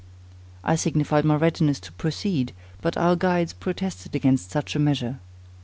I signified my readiness to proceed, but our guides protested against such a measure.